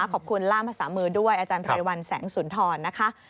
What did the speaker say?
ขอบคุณล่ามภาษามือด้วยอาจารย์ไพรวัลแสงสุนทรนะคะ